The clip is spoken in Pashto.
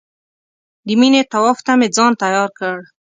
د مینې طواف ته مې ځان تیار کړ.